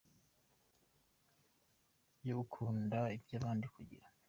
yo gukunda iby’abandi kugira.